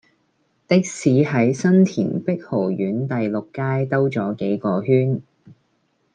的士喺新田碧豪苑第六街兜左幾個圈